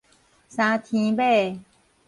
相添買